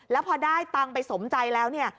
แล้วพอได้ตังค์ไปสมใจแล้วเนี่ย